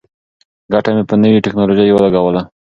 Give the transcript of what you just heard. ګټه مې په نوې ټیکنالوژۍ ولګوله.